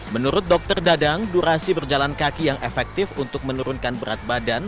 menurut dokter dadang durasi berjalan kaki yang efektif untuk menurunkan berat badan